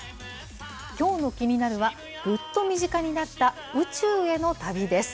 きょうのキニナル！は、ぐっと身近になった宇宙への旅です。